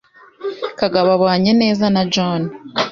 Kagabo abanye neza na John.